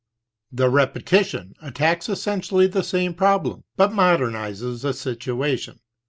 The Repetition attacks essentially the same problem, but modernizes the situation.